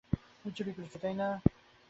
মনে করিলেন, কিছু একটা ভ্রম হইয়াছে।